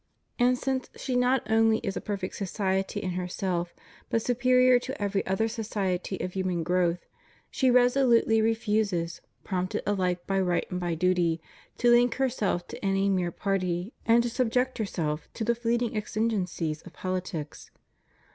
And since she not only is a perfect society in herself, but superior to every other society of human growth, she resolutely refuses, prompted alike by right and by duty, to hnk herself to any mere party and to subject herself to the fleeting exigencies of politics.